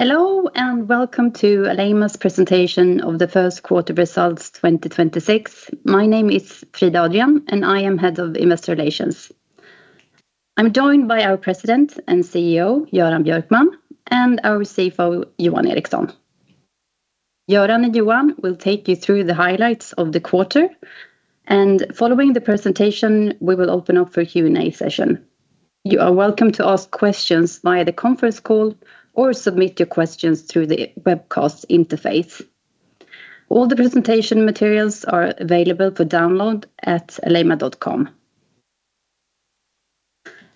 Hello, and welcome to Alleima's presentation of the first quarter results 2026. My name is Frida Adrian, and I am Head of Investor Relations. I'm joined by our President and CEO, Göran Björkman, and our CFO, Johan Eriksson. Göran and Johan will take you through the highlights of the quarter, and following the presentation, we will open up for Q&A session. You are welcome to ask questions via the conference call or submit your questions through the webcast interface. All the presentation materials are available for download at alleima.com.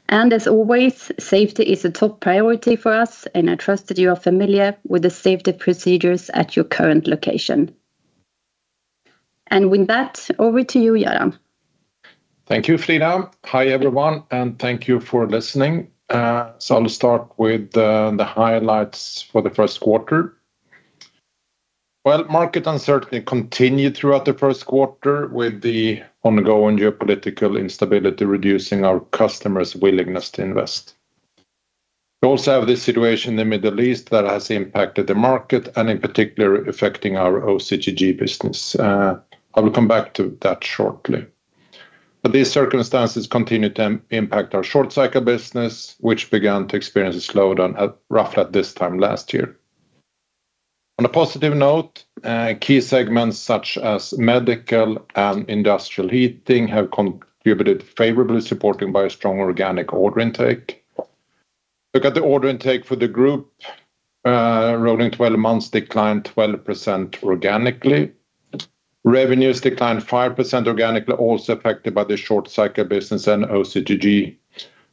As always, safety is a top priority for us, and I trust that you are familiar with the safety procedures at your current location. With that, over to you, Göran. Thank you, Frida. Hi, everyone, and thank you for listening. I'll start with the highlights for the first quarter. Market uncertainty continued throughout the first quarter with the ongoing geopolitical instability, reducing our customers' willingness to invest. We also have this situation in the Middle East that has impacted the market, and in particular affecting our OCTG business. I will come back to that shortly. These circumstances continue to impact our short cycle business, which began to experience a slowdown roughly at this time last year. On a positive note, key segments such as medical and industrial heating have contributed favorably, supported by a strong organic order intake. Look at the order intake for the group, rolling 12 months declined 12% organically. Revenues declined 5% organically, also affected by the short cycle business and OCTG,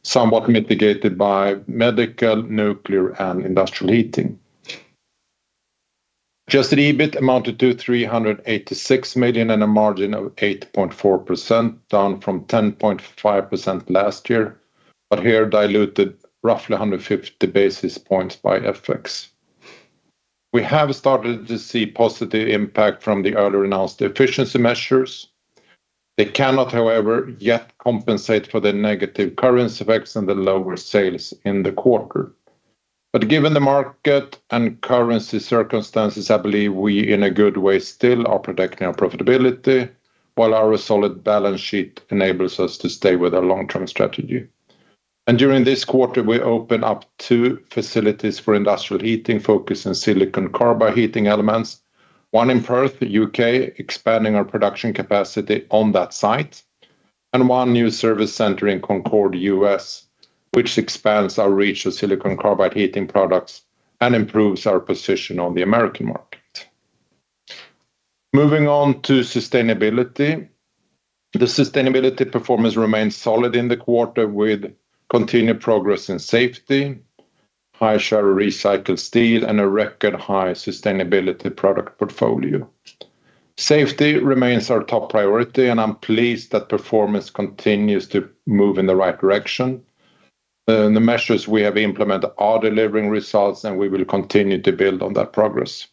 somewhat mitigated by medical, nuclear, and industrial heating. Adjusted EBIT amounted to 386 million and a margin of 8.4%, down from 10.5% last year, but here diluted roughly 150 basis points by FX. We have started to see positive impact from the earlier announced efficiency measures. They cannot, however, yet compensate for the negative currency effects and the lower sales in the quarter. Given the market and currency circumstances, I believe we, in a good way, still are protecting our profitability, while our solid balance sheet enables us to stay with our long-term strategy. During this quarter, we open up two facilities for industrial heating, focused on silicon carbide heating elements, one in Perth, U.K., expanding our production capacity on that site, and one new service center in Concord, U.S., which expands our reach of silicon carbide heating products and improves our position on the American market. Moving on to sustainability. The sustainability performance remains solid in the quarter with continued progress in safety, high share recycled steel, and a record high sustainability product portfolio. Safety remains our top priority, and I'm pleased that performance continues to move in the right direction. The measures we have implemented are delivering results, and we will continue to build on that progress.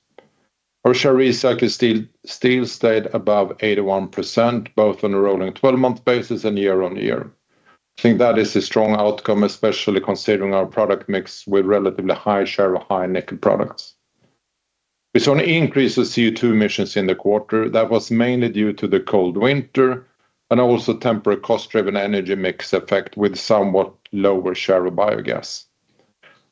Our share recycled steel stayed above 81%, both on a rolling 12 month basis and year-on-year. I think that is a strong outcome, especially considering our product mix with relatively high share of high nickel products. We saw an increase of CO2 emissions in the quarter. That was mainly due to the cold winter and also temporary cost driven energy mix effect with somewhat lower share of biogas.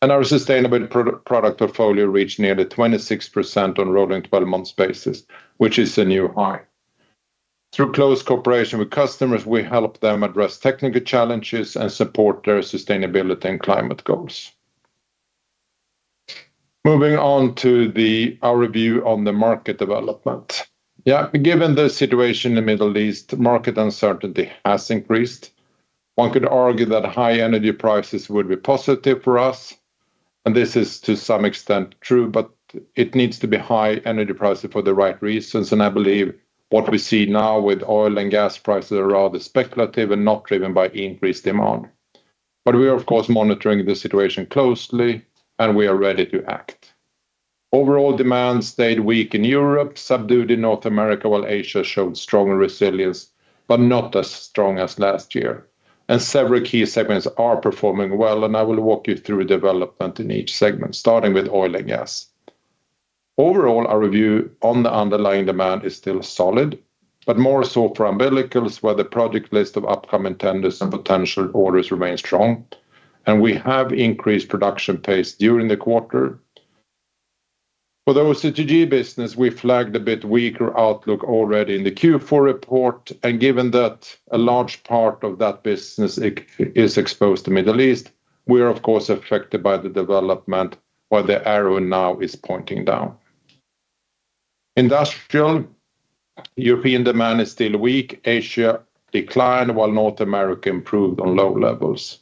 Our sustainable product portfolio reached nearly 26% on a rolling twelve-month basis, which is a new high. Through close cooperation with customers, we help them address technical challenges and support their sustainability and climate goals. Moving on to our review on the market development. Yeah, given the situation in the Middle East, market uncertainty has increased. One could argue that high energy prices would be positive for us, and this is to some extent true, but it needs to be high energy prices for the right reasons. I believe what we see now with oil and gas prices are rather speculative and not driven by increased demand. We are, of course, monitoring the situation closely, and we are ready to act. Overall demand stayed weak in Europe, subdued in North America, while Asia showed strong resilience, but not as strong as last year. Several key segments are performing well, and I will walk you through developments in each segment, starting with oil and gas. Overall, our view on the underlying demand is still solid, but more so for umbilicals, where the project list of upcoming tenders and potential orders remains strong, and we have increased production pace during the quarter. For the OCTG business, we flagged a bit weaker outlook already in the Q4 report, and given that a large part of that business is exposed to Middle East, we are of course affected by the development, while the arrow now is pointing down. Industrial, European demand is still weak. Asia declined, while North America improved on low levels.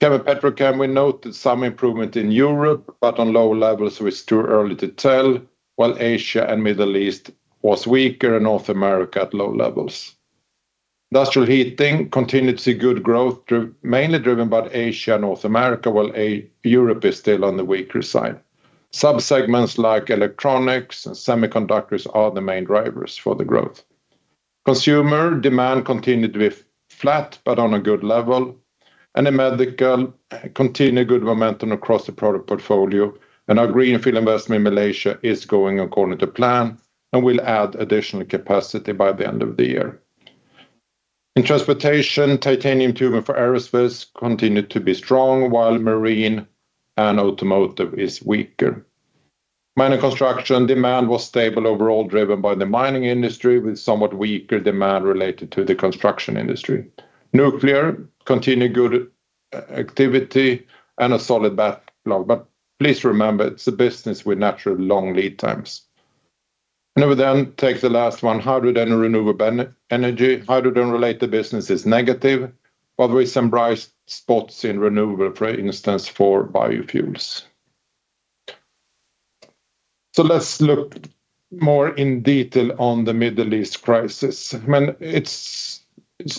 Chemical and Petrochem, we note some improvement in Europe, but on low levels, so it's too early to tell. While Asia and Middle East was weaker, and North America at low levels. Industrial heating continued to see good growth, mainly driven by Asia, North America, while Europe is still on the weaker side. Subsegments like electronics and semiconductors are the main drivers for the growth. Consumer demand continued with flat but on a good level, and in medical, continued good momentum across the product portfolio. Our greenfield investment in Malaysia is going according to plan, and we'll add additional capacity by the end of the year. In transportation, titanium tubing for aerospace continued to be strong, while marine and automotive is weaker. Mining construction demand was stable overall, driven by the mining industry, with somewhat weaker demand related to the construction industry. Nuclear continued good activity and a solid backlog. Please remember, it's a business with natural long lead times. We then take the last one, hydrogen and renewable energy. Hydrogen-related business is negative, but with some bright spots in renewable, for instance, for biofuels. Let's look more in detail on the Middle East crisis. I mean, it's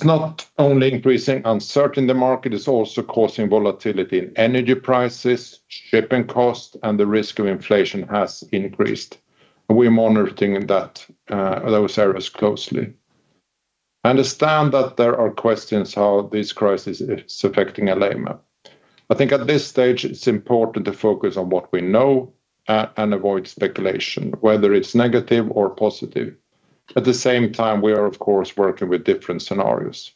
not only increasing uncertainty in the market, it's also causing volatility in energy prices, shipping costs, and the risk of inflation has increased. We're monitoring that, those areas closely. Understand that there are questions how this crisis is affecting Alleima. I think at this stage, it's important to focus on what we know and avoid speculation, whether it's negative or positive. At the same time, we are, of course, working with different scenarios.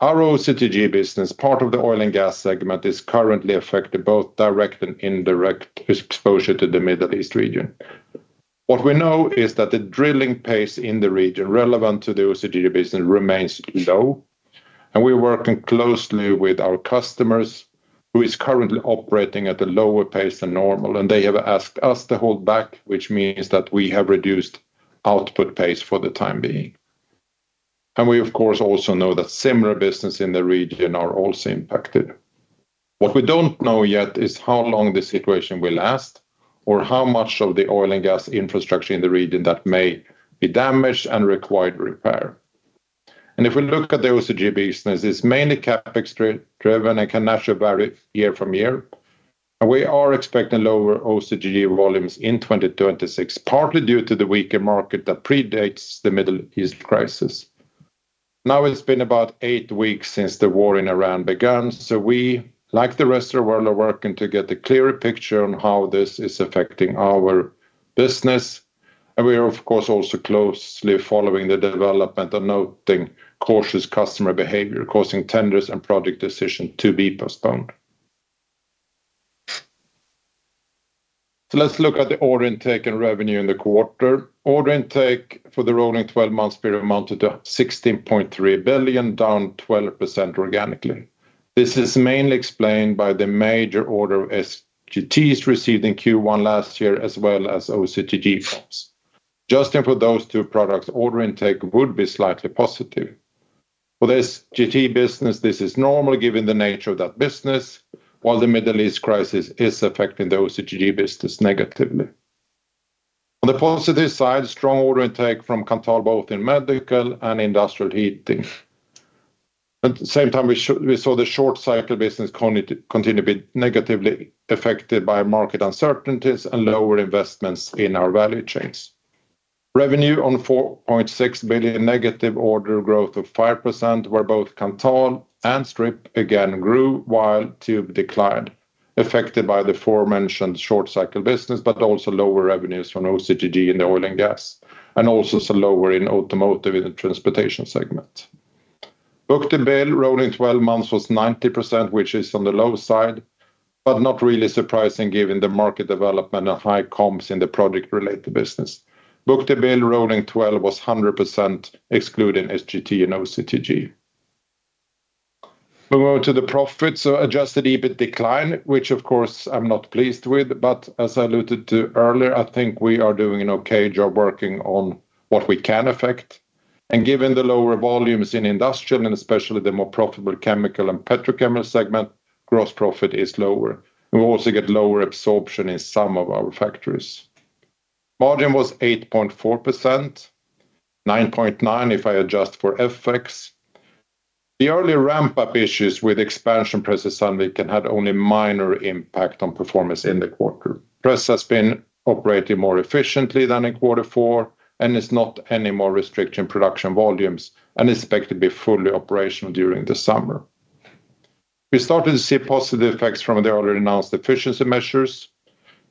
Our OCTG business, part of the oil and gas segment, is currently affected both direct and indirect exposure to the Middle East region. What we know is that the drilling pace in the region relevant to the OCTG business remains low, and we're working closely with our customers, who is currently operating at a lower pace than normal, and they have asked us to hold back, which means that we have reduced output pace for the time being. We, of course, also know that similar business in the region are also impacted. What we don't know yet is how long this situation will last or how much of the oil and gas infrastructure in the region that may be damaged and require repair. If we look at the OCTG business, it's mainly CapEx driven and can naturally vary year to year. We are expecting lower OCTG volumes in 2026, partly due to the weaker market that predates the Middle East crisis. Now, it's been about eight weeks since the war in Iran began, so we, like the rest of the world, are working to get a clearer picture on how this is affecting our business. We are, of course, also closely following the development and noting cautious customer behavior, causing tenders and project decisions to be postponed. Let's look at the order intake and revenue in the quarter. Order intake for the rolling twelve-month period amounted to 16.3 billion, down 12% organically. This is mainly explained by the major order SGTs received in Q1 last year, as well as OCTG drops. Just excluding those two products, order intake would be slightly positive. For the SGT business, this is normal given the nature of that business, while the Middle East crisis is affecting the OCTG business negatively. On the positive side, strong order intake from Kanthal both in medical and industrial heating. At the same time, we saw the short-cycle business continue to be negatively affected by market uncertainties and lower investments in our value chains. Revenue of 4.6 billion, negative order growth of 5%, where both Kanthal and Strip again grew, while Tube declined, affected by the aforementioned short-cycle business, but also lower revenues from OCTG in the oil and gas, and also lower in automotive in the transportation segment. Book-to-bill rolling 12 months was 90%, which is on the low side, but not really surprising given the market development of high comps in the project-related business. Book-to-bill rolling 12 was 100% excluding SGT and OCTG. We move to the profits. Adjusted EBIT decline, which of course I'm not pleased with, but as I alluded to earlier, I think we are doing an okay job working on what we can affect. Given the lower volumes in industrial and especially the more profitable chemical and Petrochemical segment, gross profit is lower. We also get lower absorption in some of our factories. Margin was 8.4%, 9.9% if I adjust for FX. The early ramp-up issues with expansion project Sandviken had only minor impact on performance in the quarter. Press has been operating more efficiently than in quarter four and is not anymore restricting production volumes and is expected to be fully operational during the summer. We started to see positive effects from the already announced efficiency measures.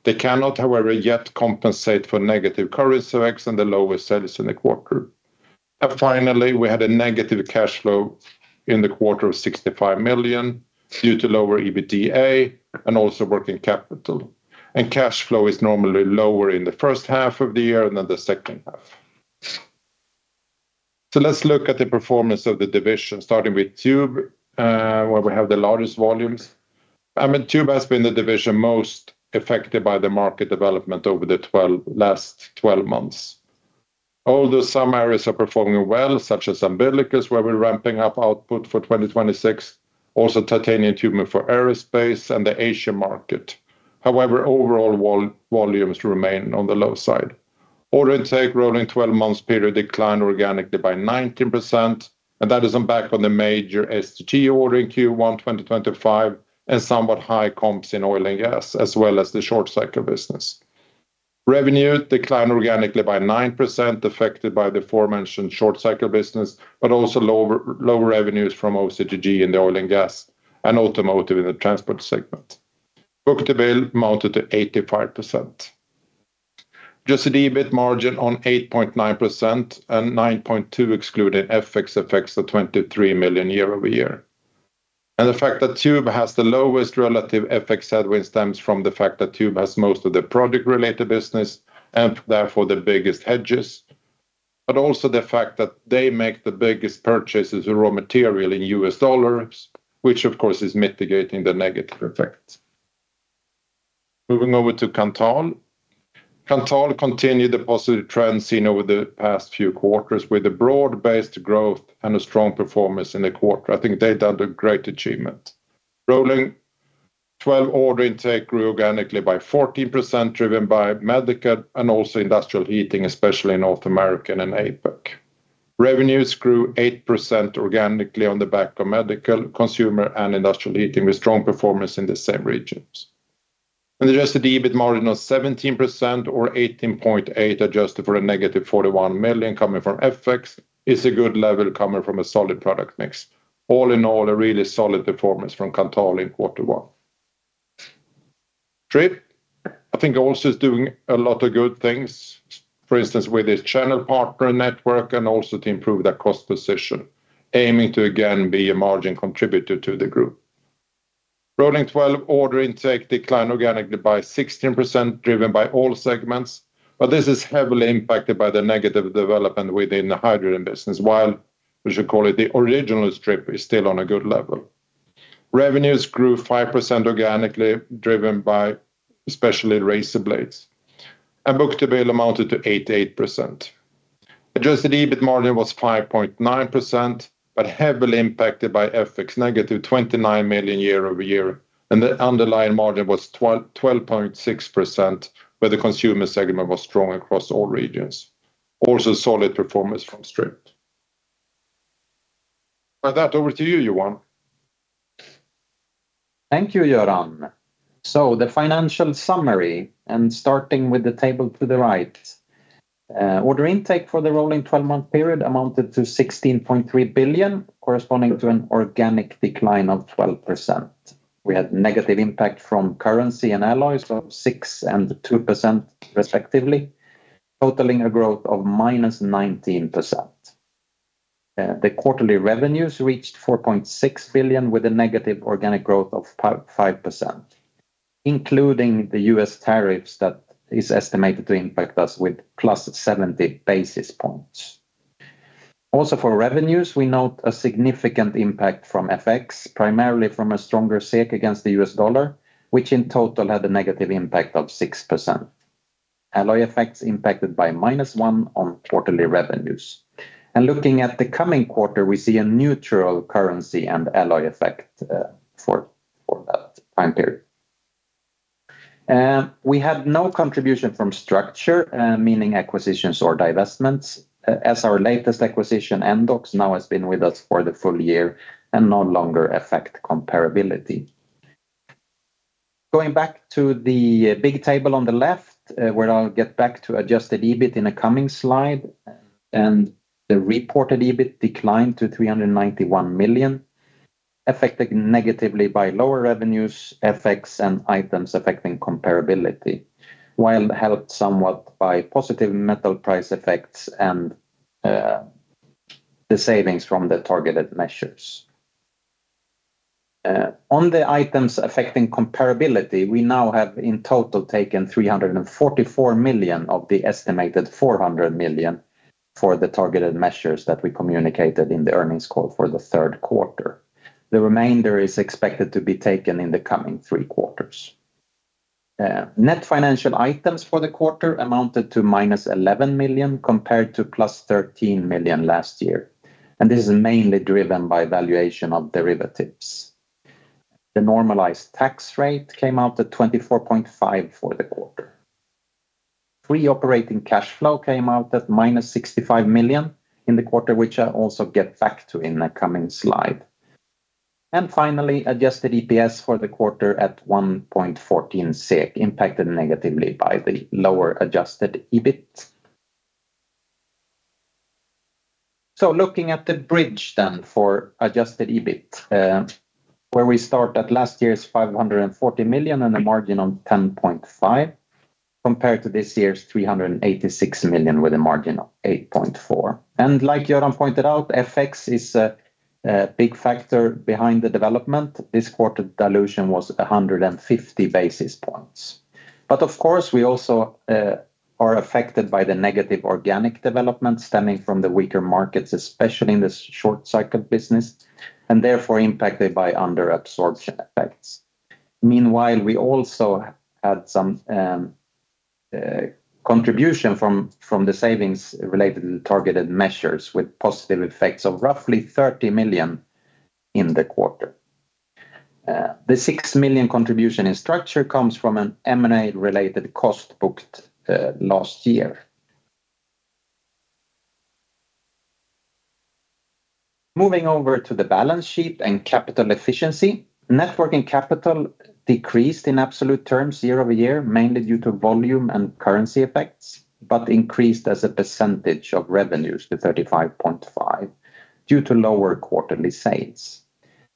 They cannot, however, yet compensate for negative currency effects and the lower sales in the quarter. Finally, we had a negative cash flow in the quarter of 65 million due to lower EBITDA and also working capital. Cash flow is normally lower in the first half of the year than the second half. Let's look at the performance of the division, starting with Tube, where we have the largest volumes. I mean, Tube has been the division most affected by the market development over the last 12 months. Although some areas are performing well, such as umbilical, where we're ramping up output for 2026, also titanium tubing for aerospace and the Asia market. However, overall volumes remain on the low side. Order intake rolling 12 months period declined organically by 19%, and that's the impact on the major SGT order in Q1 2025 and somewhat high comps in oil and gas, as well as the short-cycle business. Revenue declined organically by 9% affected by the aforementioned short cycle business, but also lower revenues from OCTG in the oil and gas and automotive in the transport segment. Book-to-bill amounted to 85%. Just EBIT margin on 8.9% and 9.2% excluding FX effects of 23 million year-over-year. The fact that Tube has the lowest relative FX headwind stems from the fact that Tube has most of the product-related business and therefore the biggest hedges, but also the fact that they make the biggest purchases of raw material in U.S. dollars, which of course is mitigating the negative effects. Moving over to Kanthal. Kanthal continued the positive trends seen over the past few quarters with a broad-based growth and a strong performance in the quarter. I think they've done a great achievement. Rolling twelve order intake grew organically by 14% driven by medical and also industrial heating, especially in North America and APAC. Revenues grew 8% organically on the back of medical, consumer, and industrial heating, with strong performance in the same regions. Adjusted EBIT margin of 17% or 18.8%, adjusted for a negative 41 million coming from FX, is a good level coming from a solid product mix. All in all, a really solid performance from Kanthal in quarter one. Strip, I think, also is doing a lot of good things, for instance, with its channel partner network and also to improve their cost position, aiming to again be a margin contributor to the group. Rolling 12 order intake declined organically by 16%, driven by all segments, but this is heavily impacted by the negative development within the hydrogen business, while we should call it the original Strip is still on a good level. Revenues grew 5% organically, driven by especially razor blades, and book-to bill amounted to 88%. Adjusted EBIT margin was 5.9%, but heavily impacted by FX, -29 million year-over-year. The underlying margin was 12.6%, where the consumer segment was strong across all regions. Also solid performance from Strip. With that, over to you, Johan. Thank you, Göran. The financial summary, and starting with the table to the right, order intake for the rolling twelve-month period amounted to 16.3 billion, corresponding to an organic decline of 12%. We had negative impact from currency and alloys of 6% and 2% respectively, totaling a growth of -19%. The quarterly revenues reached 4.6 billion, with a negative organic growth of 5%, including the U.S. tariffs that is estimated to impact us with +70 basis points. Also, for revenues, we note a significant impact from FX, primarily from a stronger SEK against the US dollar, which in total had a negative impact of 6%. Alloy effects impacted by -1% on quarterly revenues. Looking at the coming quarter, we see a neutral currency and alloy effect for that time period. We had no contribution from structural changes, meaning acquisitions or divestments, as our latest acquisition, Endox, now has been with us for the full year and no longer affect comparability. Going back to the big table on the left, where I'll get back to adjusted EBIT in a coming slide, and the reported EBIT declined to 391 million, affected negatively by lower revenues, FX, and items affecting comparability, while helped somewhat by positive metal price effects and the savings from the targeted measures. On the items affecting comparability, we now have in total taken 344 million of the estimated 400 million for the targeted measures that we communicated in the earnings call for the third quarter. The remainder is expected to be taken in the coming three quarters. Net financial items for the quarter amounted to -11 million compared to 13 million last year, and this is mainly driven by valuation of derivatives. The normalized tax rate came out at 24.5% for the quarter. Free operating cash flow came out at -65 million in the quarter, which I also get back to in a coming slide. Adjusted EPS for the quarter at 1.14 SEK, impacted negatively by the lower adjusted EBIT. Looking at the bridge then for adjusted EBIT, where we start at last year's 540 million and a margin of 10.5%, compared to this year's 386 million with a margin of 8.4%. Like Göran pointed out, FX is a big factor behind the development. This quarter dilution was 150 basis points. Of course, we also are affected by the negative organic development stemming from the weaker markets, especially in the short cycle business, and therefore impacted by under absorption effects. Meanwhile, we also had some contribution from the savings related to the targeted measures with positive effects of roughly 30 million in the quarter. The 6 million contribution in Strip comes from an M&A-related cost booked last year. Moving over to the balance sheet and capital efficiency. Net working capital decreased in absolute terms year-over-year, mainly due to volume and currency effects, but increased as a percentage of revenues to 35.5% due to lower quarterly sales.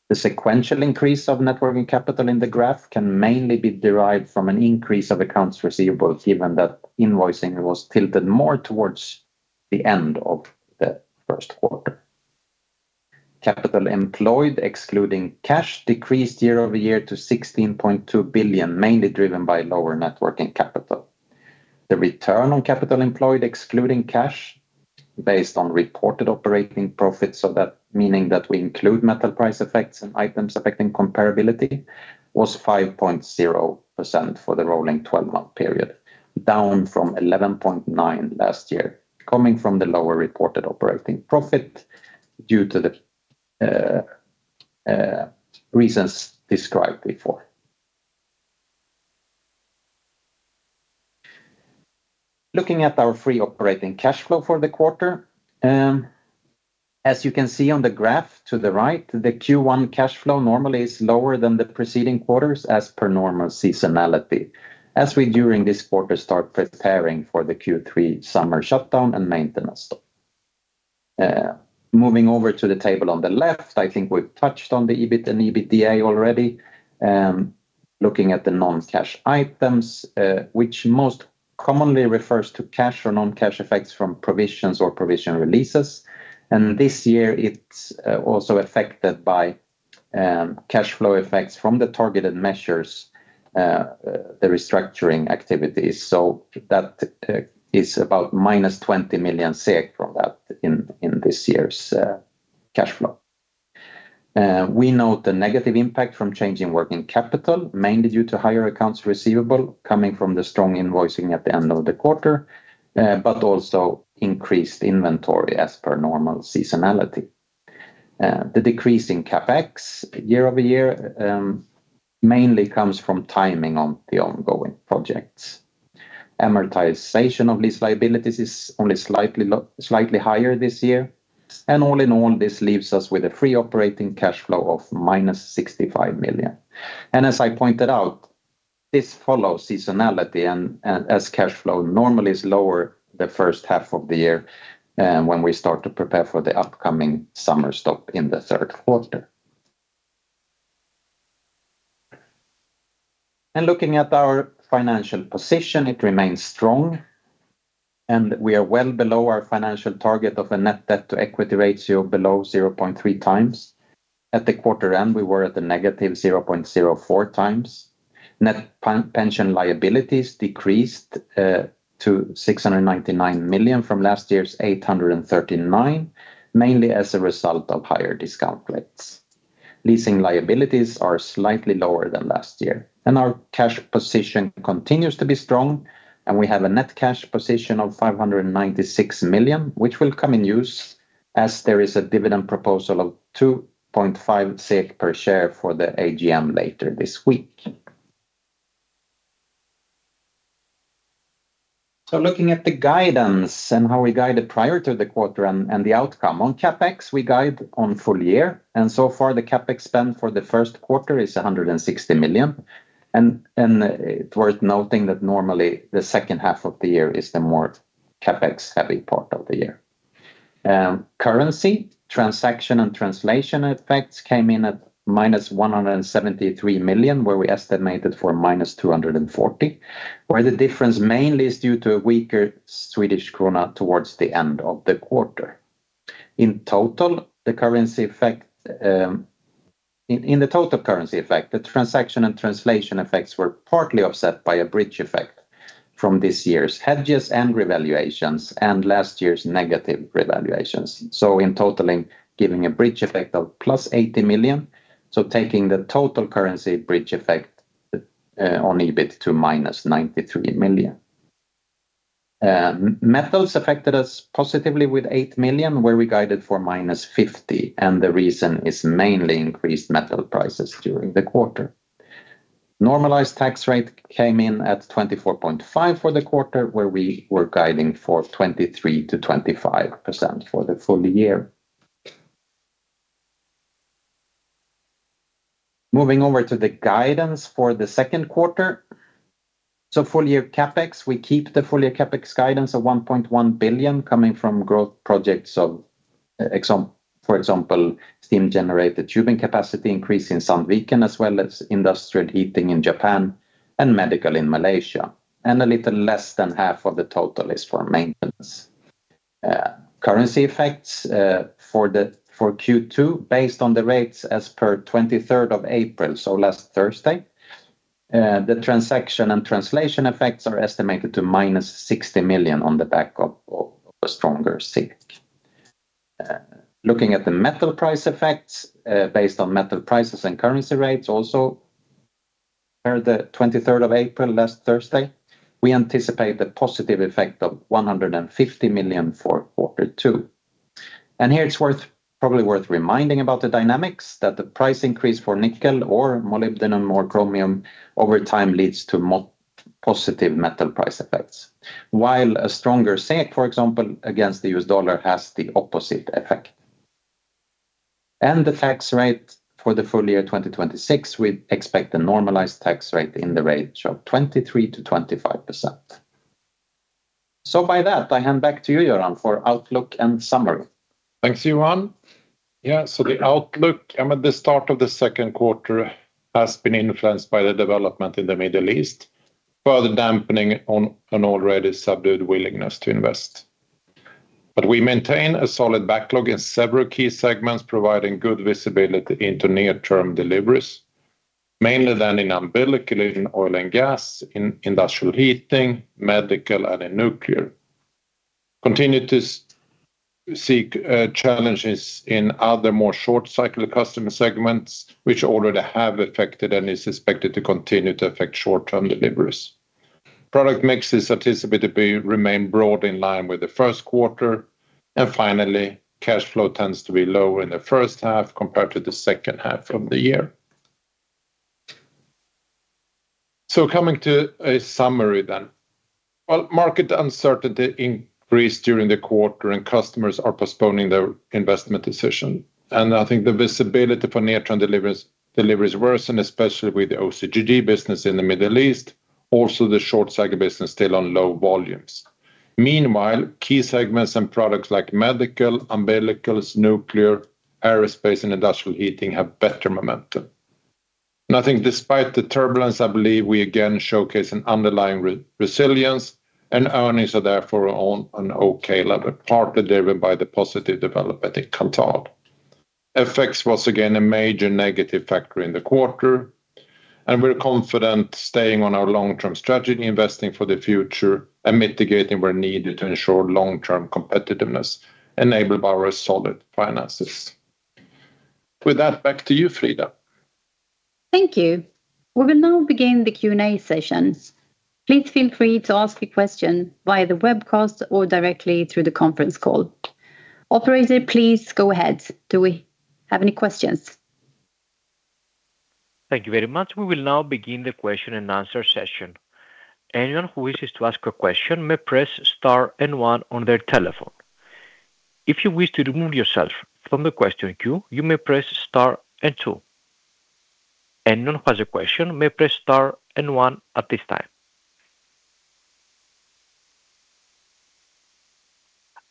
The sequential increase of working capital in the graph can mainly be derived from an increase of accounts receivable, given that invoicing was tilted more towards the end of the first quarter. Capital employed, excluding cash, decreased year-over-year to 16.2 billion, mainly driven by lower working capital. The return on capital employed excluding cash based on reported operating profits, so that meaning that we include metal price effects and items affecting comparability, was 5.0% for the rolling twelve-month period, down from 11.9% last year, coming from the lower reported operating profit due to the reasons described before. Looking at our free operating cash flow for the quarter, as you can see on the graph to the right, the Q1 cash flow normally is lower than the preceding quarters as per normal seasonality as we, during this quarter, start preparing for the Q3 summer shutdown and maintenance stop. Moving over to the table on the left, I think we've touched on the EBIT and EBITDA already. Looking at the non-cash items, which most commonly refers to cash or non-cash effects from provisions or provision releases. This year it's also affected by cash flow effects from the targeted measures, the restructuring activities. That is about minus 20 million SEK from that in this year's cash flow. We note the negative impact from change in working capital, mainly due to higher accounts receivable coming from the strong invoicing at the end of the quarter, but also increased inventory as per normal seasonality. The decrease in CapEx year-over-year mainly comes from timing on the ongoing projects. Amortization of these liabilities is only slightly higher this year. All in all, this leaves us with a free operating cash flow of -65 million. As I pointed out, this follows seasonality and as cash flow normally is lower the first half of the year, when we start to prepare for the upcoming summer stop in the third quarter. Looking at our financial position, it remains strong, and we are well below our financial target of a net debt-to-equity ratio below 0.3 times. At the quarter end, we were at the negative 0.04 times. Net pension liabilities decreased to 699 million from last year's 839, mainly as a result of higher discount rates. Leasing liabilities are slightly lower than last year, and our cash position continues to be strong, and we have a net cash position of 596 million, which will come in use as there is a dividend proposal of 2.5 SEK per share for the AGM later this week. Looking at the guidance and how we guided prior to the quarter and the outcome. On CapEx, we guide on full year, and so far the CapEx spend for the first quarter is 160 million. It's worth noting that normally the second half of the year is the more CapEx-heavy part of the year. Currency transaction and translation effects came in at -173 million, where we estimated for -240 million, where the difference mainly is due to a weaker Swedish krona towards the end of the quarter. In total, the currency effect, the transaction and translation effects were partly offset by a bridge effect from this year's hedges and revaluations and last year's negative revaluations. So in total, giving a bridge effect of +80 million, so taking the total currency bridge effect on EBIT to -93 million. Metals affected us positively with 8 million, where we guided for -50 million, and the reason is mainly increased metal prices during the quarter. Normalized tax rate came in at 24.5% for the quarter, where we were guiding for 23%-25% for the full year. Moving over to the guidance for the second quarter. Full year CapEx, we keep the full year CapEx guidance of 1.1 billion coming from growth projects, for example, steam generator tubing capacity increase in Sandviken, as well as industrial heating in Japan and medical in Malaysia. A little less than half of the total is for maintenance. Currency effects for Q2, based on the rates as per 23rd of April, so last Thursday, the transaction and translation effects are estimated to -60 million on the back of a stronger SEK. Looking at the metal price effects, based on metal prices and currency rates also for the twenty-third of April, last Thursday, we anticipate the positive effect of 150 million for quarter two. Here it's worth reminding about the dynamics that the price increase for nickel or molybdenum or chromium over time leads to positive metal price effects. While a stronger SEK, for example, against the US dollar has the opposite effect. The tax rate for the full year 2026, we expect a normalized tax rate in the range of 23%-25%. By that, I hand back to you, Göran, for outlook and summary. Thanks, Johan. Yeah. The outlook, I mean, the start of the second quarter has been influenced by the development in the Middle East, further dampening on an already subdued willingness to invest. We maintain a solid backlog in several key segments, providing good visibility into near-term deliveries, mainly then in umbilical, in oil and gas, in industrial heating, medical, and in nuclear. Continue to see challenges in other more short cycle customer segments, which already have affected and is expected to continue to affect short-term deliveries. Product mix is anticipated to remain broad in line with the first quarter. Finally, cash flow tends to be lower in the first half compared to the second half of the year. Coming to a summary then. Well, market uncertainty increased during the quarter, and customers are postponing their investment decision. I think the visibility for near-term deliveries worsen, especially with the OCTG business in the Middle East, also the short cycle business still on low volumes. Meanwhile, key segments and products like medical, umbilicals, nuclear, aerospace, and industrial heating have better momentum. I think despite the turbulence, I believe we again showcase an underlying resilience, and earnings are therefore on an okay level, partly driven by the positive development in Kanthal. FX was again a major negative factor in the quarter, and we're confident staying on our long-term strategy, investing for the future, and mitigating where needed to ensure long-term competitiveness enabled by our solid finances. With that, back to you, Frida. Thank you. We will now begin the Q&A session. Please feel free to ask a question via the webcast or directly through the conference call. Operator, please go ahead. Do we have any questions? Thank you very much. We will now begin the question and answer session. Anyone who wishes to ask a question may press star and one on their telephone. If you wish to remove yourself from the question queue, you may press star and two. Anyone who has a question may press star and one at this time.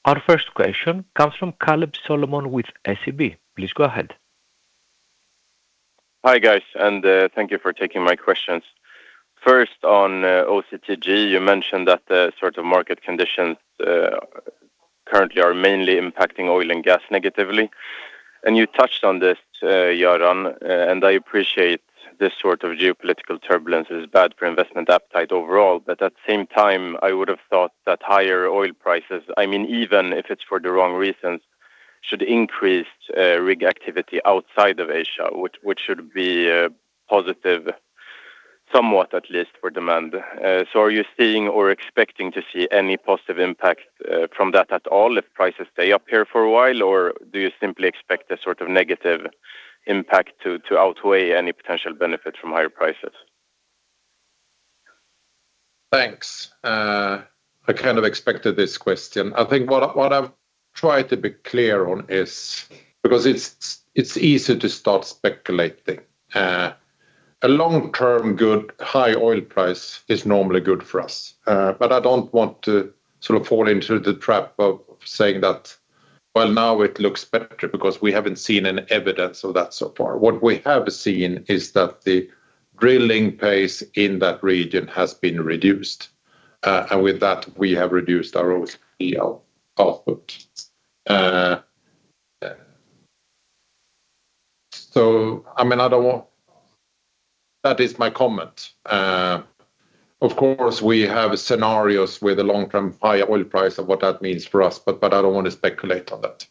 Our first question comes from Kaleb Solomon with SEB. Please go ahead. Hi, guys, and thank you for taking my questions. First, on OCTG, you mentioned that the sort of market conditions currently are mainly impacting oil and gas negatively. You touched on this, Göran, and I appreciate this sort of geopolitical turbulence is bad for investment appetite overall. At the same time, I would have thought that higher oil prices, I mean, even if it's for the wrong reasons, should increase rig activity outside of Asia, which should be positive, somewhat, at least for demand. Are you seeing or expecting to see any positive impact from that at all if prices stay up here for a while, or do you simply expect a sort of negative impact to outweigh any potential benefit from higher prices? Thanks. I kind of expected this question. I think what I've tried to be clear on is because it's easy to start speculating. A long-term good high oil price is normally good for us. I don't want to sort of fall into the trap of saying that, "Well, now it looks better," because we haven't seen any evidence of that so far. What we have seen is that the drilling pace in that region has been reduced. With that, we have reduced our own oil output. I mean, that is my comment. Of course, we have scenarios where the long-term higher oil price and what that means for us, but I don't want to speculate on that.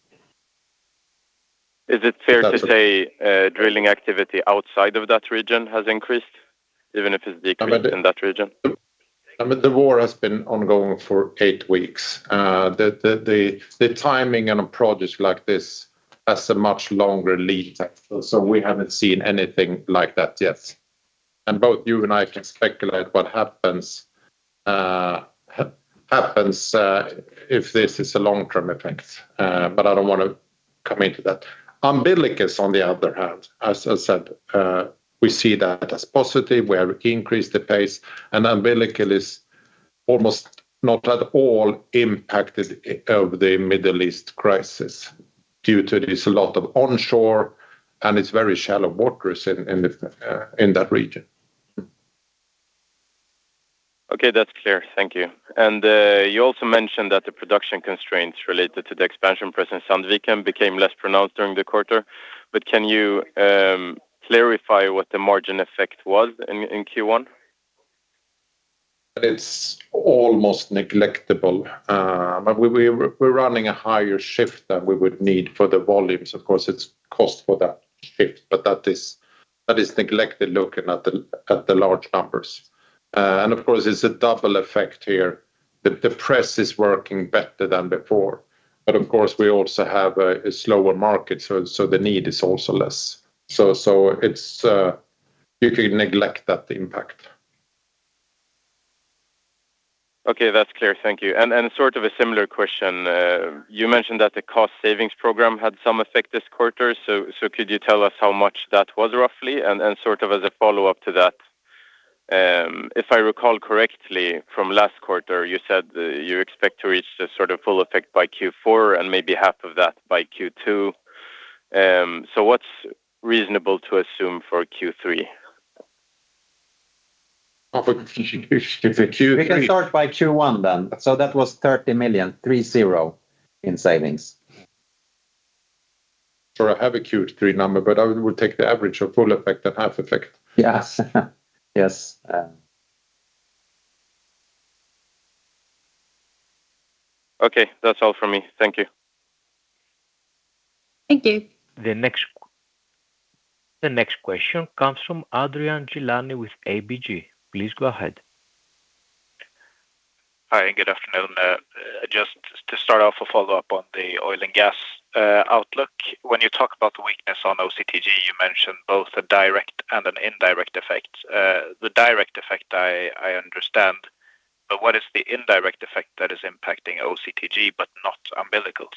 Is it fair to say, drilling activity outside of that region has increased, even if it's decreased in that region? I mean, the war has been ongoing for eight weeks. The timing on a project like this has a much longer lead time, so we haven't seen anything like that yet. Both you and I can speculate what happens if this is a long-term effect. But I don't wanna comment to that. Umbilical, on the other hand, as I said, we see that as positive. We have increased the pace, and umbilical is almost not at all impacted of the Middle East crisis due to this a lot of onshore, and it's very shallow waters in the uh in that region. Okay. That's clear. Thank you. You also mentioned that the production constraints related to the expansion at Sandviken became less pronounced during the quarter. Can you clarify what the margin effect was in Q1? It's almost negligible. We're running a higher shift than we would need for the volumes. Of course, it's cost for that shift, but that is neglected looking at the large numbers. Of course, it's a double effect here. The press is working better than before, but of course, we also have a slower market, so you can neglect that impact. Okay. That's clear. Thank you. Sort of a similar question. You mentioned that the cost savings program had some effect this quarter, so could you tell us how much that was roughly? Sort of as a follow-up to that, if I recall correctly from last quarter, you said you expect to reach the sort of full effect by Q4 and maybe half of that by Q2. What's reasonable to assume for Q3? Oh, for Q3. We can start by Q1 then. That was 30 million, 30, in savings. I have a Q3 number, but I would take the average of full effect and half effect. Yes. Yes. Okay. That's all from me. Thank you. Thank you. The next question comes from Adrian Gilani with ABG. Please go ahead. Hi, and good afternoon. Just to start off a follow-up on the oil and gas outlook. When you talk about the weakness on OCTG, you mentioned both a direct and an indirect effect. The direct effect I understand, but what is the indirect effect that is impacting OCTG but not umbilicals?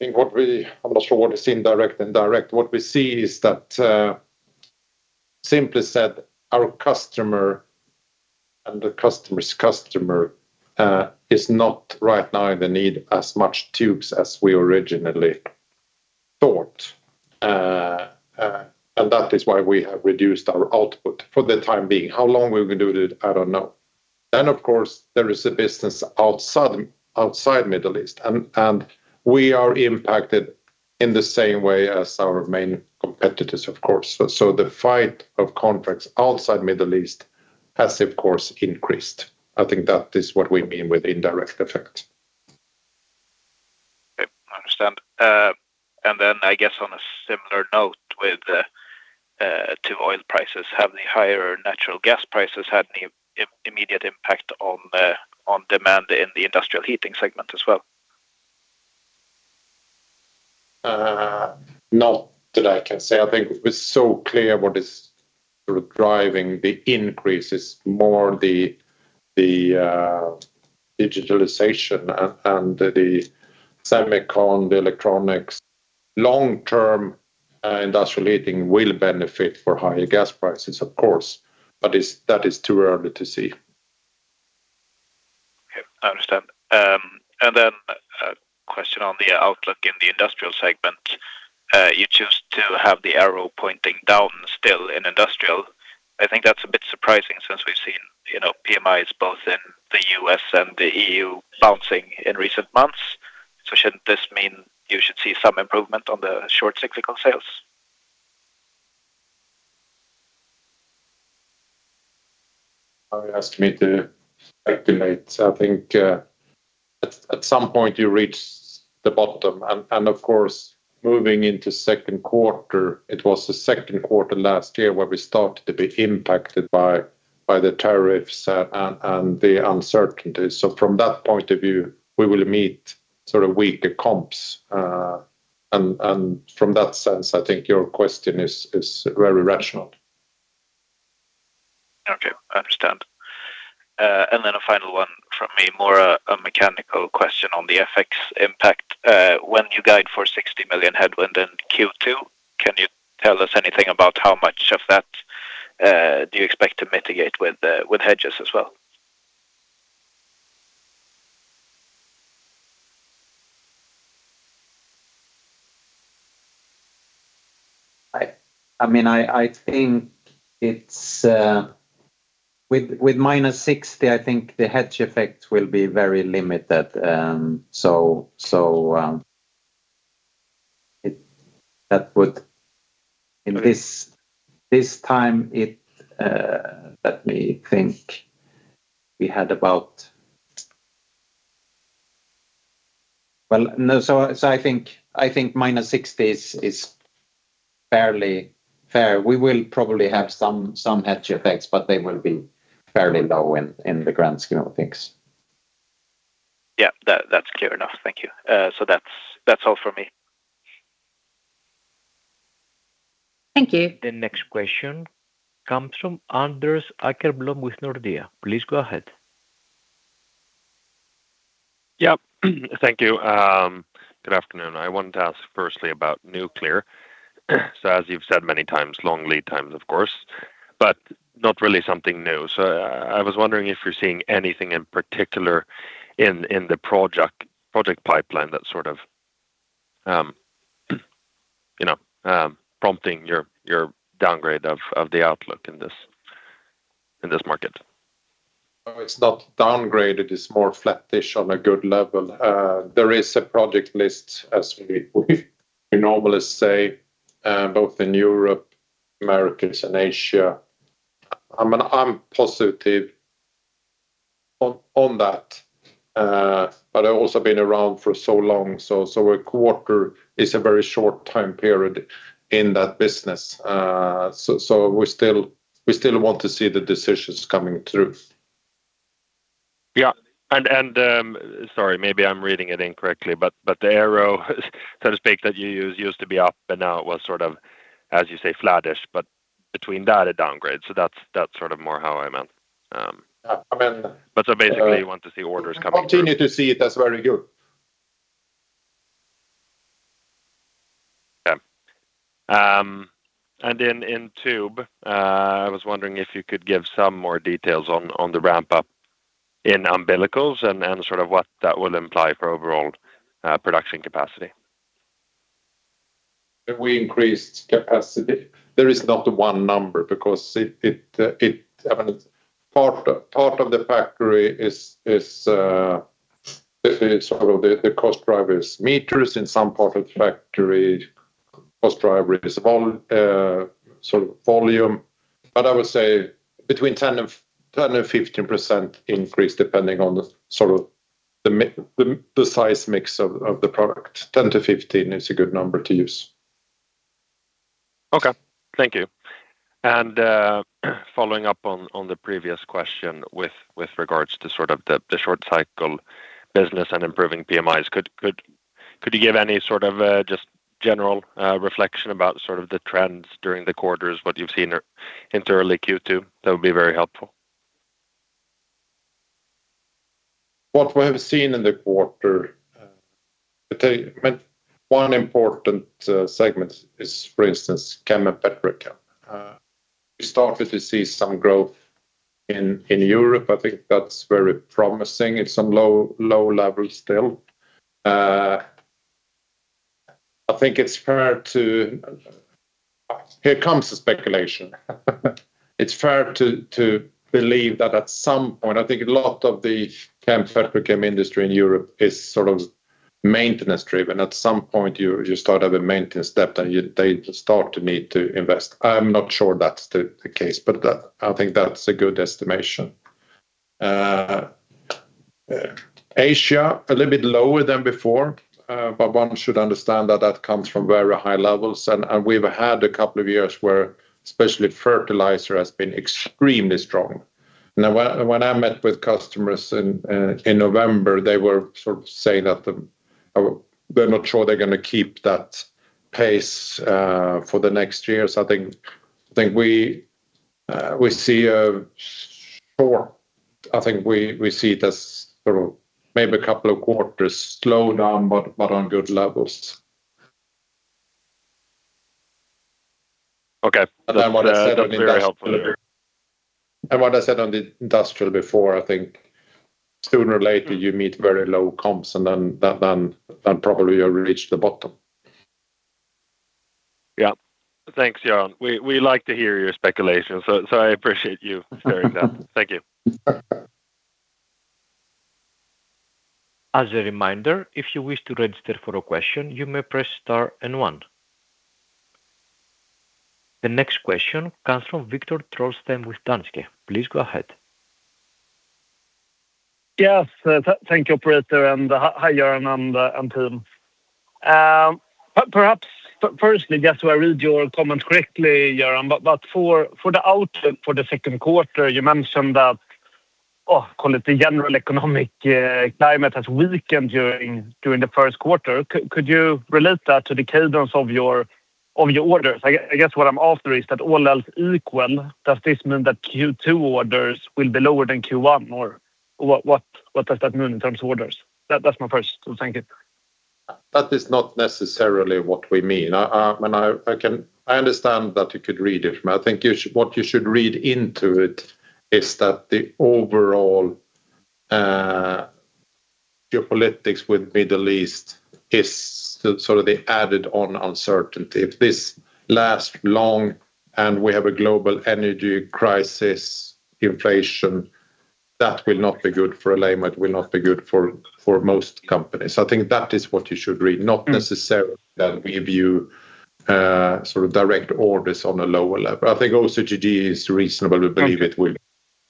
I think I'm not sure what is indirect and direct. What we see is that, simply said, our customer and the customer's customer is not right now in need of as many tubes as we originally thought. That is why we have reduced our output for the time being. How long we will do it, I don't know. Of course, there is a business outside Middle East and we are impacted in the same way as our main competitors, of course. The fight for contracts outside Middle East has of course increased. I think that is what we mean with indirect effect. Okay. I understand. I guess on a similar note with the oil prices, have the higher natural gas prices had any immediate impact on demand in the industrial heating segment as well? Not that I can say. I think it's so clear what is sort of driving the increase. It's more the digitalization and the electronics. Long-term, industrial heating will benefit from higher gas prices, of course, but that is too early to see. Okay, I understand. A question on the outlook in the industrial segment. You chose to have the arrow pointing down still in industrial. I think that's a bit surprising since we've seen, you know, PMIs both in the U.S. and the EU bouncing in recent months. Shouldn't this mean you should see some improvement on the short cyclical sales? You asked me to estimate. I think at some point you reach the bottom and of course, moving into second quarter, it was the second quarter last year where we started to be impacted by the tariffs and the uncertainty. From that point of view, we will meet sort of weaker comps. From that sense, I think your question is very rational. Okay, I understand. A final one from me, more of a mechanical question on the FX impact. When you guide for 60 million headwind in Q2, can you tell us anything about how much of that do you expect to mitigate with hedges as well? I mean, I think with -60, the hedge effect will be very limited. That would increase this time it. Let me think. Well, no, I think -60 is fairly fair. We will probably have some hedge effects, but they will be fairly low in the grand scheme of things. Yeah. That's clear enough. Thank you. That's all from me. Thank you. The next question comes from Anders Åkerblom with Nordea. Please go ahead. Yeah. Thank you. Good afternoon. I want to ask firstly about nuclear. As you've said many times, long lead times, of course, but not really something new. I was wondering if you're seeing anything in particular in the project pipeline that sort of, you know, prompting your downgrade of the outlook in this market. Oh, it's not downgraded. It's more flattish on a good level. There is a project list, as we normally say, both in Europe, Americas and Asia. I'm positive on that, but I've also been around for so long, so a quarter is a very short time period in that business. We still want to see the decisions coming through. Yeah. Sorry, maybe I'm reading it incorrectly, but the arrow, so to speak, that you used to be up, and now it was sort of, as you say, flatish, but between that, a downgrade. That's sort of more how I meant. Yeah. I mean. Basically you want to see orders coming through. Continue to see it as very good. Yeah. In Tube, I was wondering if you could give some more details on the ramp up in umbilicals and sort of what that will imply for overall production capacity. If we increased capacity, there is not one number because I mean, part of the factory is, it's sort of the cost drivers, matters in some part of the factory, cost driver is sort of volume. I would say between 10% and 15% increase depending on the sort of the size mix of the product. 10%-15% is a good number to use. Okay. Thank you. Following up on the previous question with regards to sort of the short cycle business and improving PMIs, could you give any sort of just general reflection about sort of the trends during the quarters, what you've seen in early Q2? That would be very helpful. What we have seen in the quarter, I tell you, I mean, one important segment is, for instance, chem and Petrochem. We started to see some growth in Europe. I think that's very promising. It's some low levels still. I think it's fair to. Here comes the speculation. It's fair to believe that at some point, I think a lot of the chem Petrochem industry in Europe is sort of maintenance-driven. At some point, you start at the maintenance step, then they start to need to invest. I'm not sure that's the case, but that, I think that's a good estimation. Asia, a little bit lower than before, but one should understand that that comes from very high levels. And we've had a couple of years where especially fertilizer has been extremely strong. Now, when I met with customers in November, they were sort of saying they're not sure they're gonna keep that pace for the next year. I think we see it as sort of maybe a couple of quarters slowdown but on good levels. Okay. What I said on the industrial That's very helpful. What I said on the industrial before, I think sooner or later you meet very low comps, and then probably you reach the bottom. Yeah. Thanks, Göran. We like to hear your speculation, so I appreciate you sharing that. Thank you. As a reminder, if you wish to register for a question, you may press star and one. The next question comes from Viktor Trollsten with Danske. Please go ahead. Yes. Thank you, operator, and hi, Göran and team. Perhaps firstly, just so I read your comments correctly, Göran, but for the outlook for the second quarter, you mentioned that call it the general economic climate has weakened during the first quarter. Could you relate that to the cadence of your orders? I guess what I'm after is that all else equal, does this mean that Q2 orders will be lower than Q1, or what does that mean in terms of orders? That's my first. Thank you. That is not necessarily what we mean. I mean, I understand that you could read it. I think what you should read into it is that the overall geopolitics with Middle East is the sort of added on uncertainty. If this lasts long and we have a global energy crisis, inflation, that will not be good for Alleima, will not be good for most companies. I think that is what you should read, not necessarily that we view sort of direct orders on a lower level. I think OCTG is reasonable. We believe it will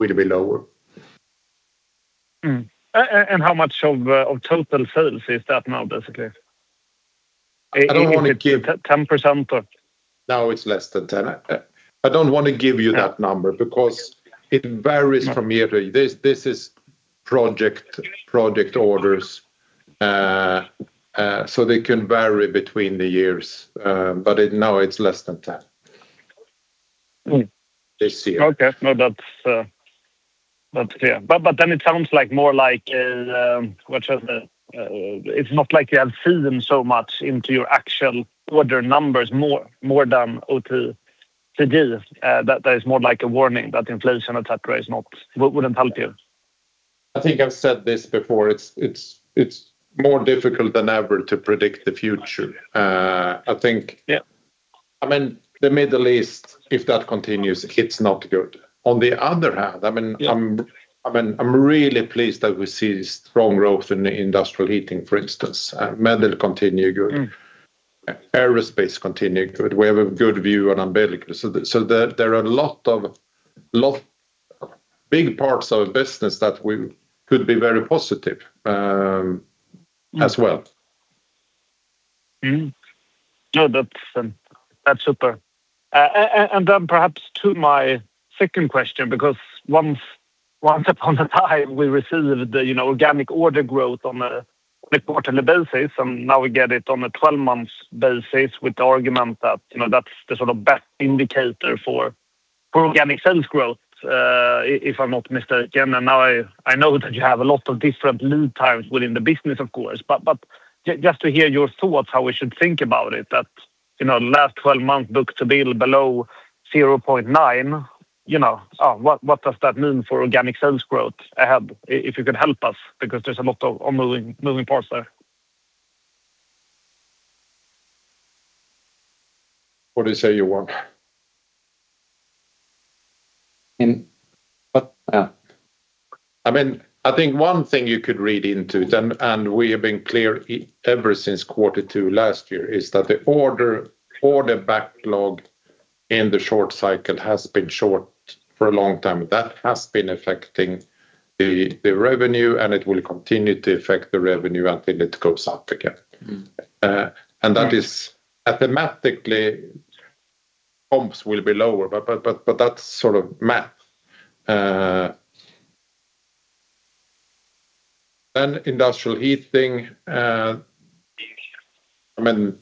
be lower. How much of total sales is that now, basically? I don't wanna give- 10% or? No, it's less than 10. I don't wanna give you that number because it varies from year to year. This is project orders, so they can vary between the years. But now it's less than 10. Mm. This year. Okay. No, that's clear. It's not like you have seen so much into your actual order numbers more than OCTG. That is more like a warning that inflation et cetera wouldn't help you. I think I've said this before. It's more difficult than ever to predict the future. I think- Yeah. I mean, the Middle East, if that continues, it's not good. On the other hand, I mean, I'm Yeah. I mean, I'm really pleased that we see strong growth in the industrial heating, for instance. It'll continue good. Mm. Aerospace continue good. We have a good view on building. There are a lot of big parts of business that we could be very positive, as well. Mm-hmm. No, that's super. And then perhaps to my second question because once upon a time, we received the, you know, organic order growth on a quarterly basis, and now we get it on a 12 months basis with the argument that, you know, that's the sort of best indicator for organic sales growth, if I'm not mistaken. Now I know that you have a lot of different lead times within the business, of course, but just to hear your thoughts how we should think about it that, you know, last 12 month book-to-bill below 0.9, you know, what does that mean for organic sales growth ahead? If you could help us because there's a lot of moving parts there. What do you say, Johan? In what? I mean, I think one thing you could read into, and we have been clear ever since quarter two last year, is that the order backlog in the short cycle has been short for a long time. That has been affecting the revenue, and it will continue to affect the revenue until it goes up again. Mm-hmm. that is mathematically comps will be lower, but that's sort of math. Industrial heating, I mean,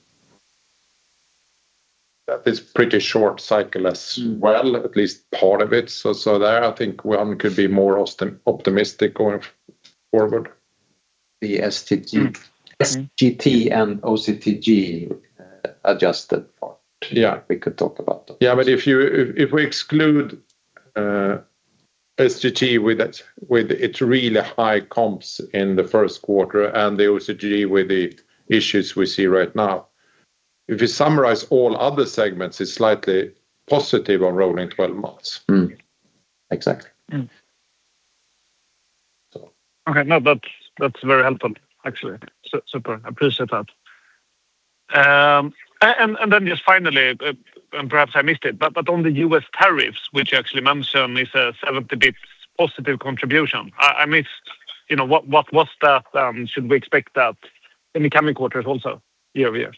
that is pretty short cycle as well, at least part of it. There I think one could be more optimistic going forward. The SGT- Mm-hmm. SGT and OCTG, adjusted for. Yeah. We could talk about that. Yeah, if we exclude SGT with its really high comps in the first quarter and the OCTG with the issues we see right now, if we summarize all other segments, it's slightly positive on rolling 12 months. Mm-hmm. Exactly. Mm-hmm. So. Okay. No, that's very helpful actually. Super. I appreciate that. And then just finally, and perhaps I missed it, but on the U.S. tariffs, which you actually mentioned is a 70 basis points positive contribution. I missed, you know, what was that? Should we expect that in the coming quarters also year-over-year?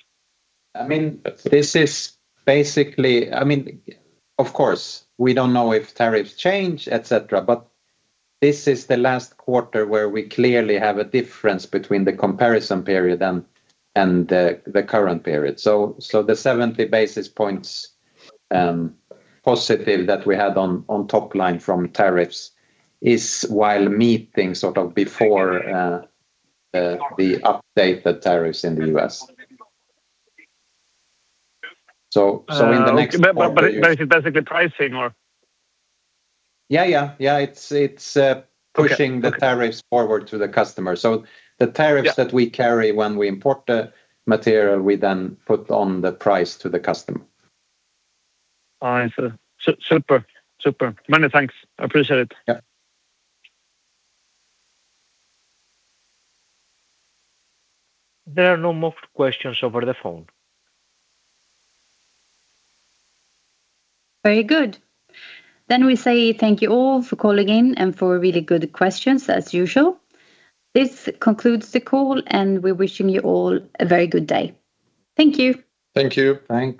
I mean, this is basically I mean, of course, we don't know if tariffs change, et cetera, but this is the last quarter where we clearly have a difference between the comparison period and the current period. The 70 basis points positive that we had on top line from tariffs is while, meaning sort of before, the updated tariffs in the U.S. In the next quarter. It's basically pricing or? Yeah. It's Okay. pushing the tariffs forward to the customer. The tariffs Yeah. that we carry when we import the material, we then put on the price to the customer. All right, sir. Super, super. Many thanks. I appreciate it. Yeah. There are no more questions over the phone. Very good. We say thank you all for calling in and for really good questions as usual. This concludes the call, and we're wishing you all a very good day. Thank you. Thank you. Thank you.